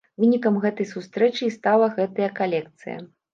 Вынікам гэтай сустрэчы і стала гэтая калекцыя.